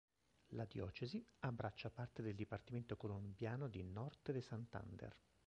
La diocesi abbraccia parte del dipartimento colombiano di Norte de Santander.